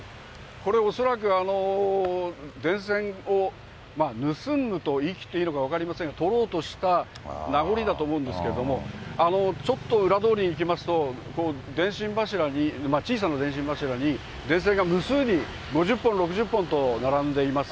これ、恐らく電線を盗むと言い切っていいのか分かりませんが、とろうとした名残だと思うんですけど、ちょっと裏通りに行きますと、電信柱に、小さな電信柱に電線が無数に５０本、６０本と並んでいます。